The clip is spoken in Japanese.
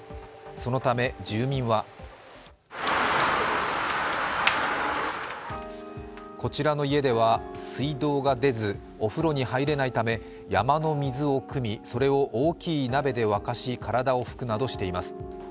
そのため、住民はこちらの家では水道が出ずお風呂には入れないため、山の水をくみ、それを大きい鍋で沸かし、体を拭くなどしています。